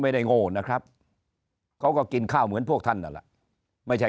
ไม่ได้โง่นะครับเขาก็กินข้าวเหมือนพวกท่านอ่ะล่ะไม่ใช่